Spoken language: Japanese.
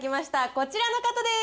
こちらの方です。